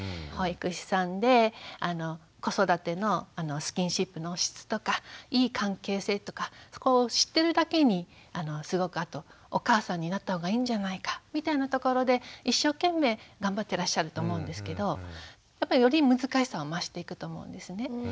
保育士さんで子育てのスキンシップの質とかいい関係性とかそこを知ってるだけにすごくあとお母さんになった方がいいんじゃないかみたいなところで一生懸命頑張ってらっしゃると思うんですけどやっぱりより難しさは増していくと思うんですね。